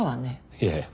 いやいや。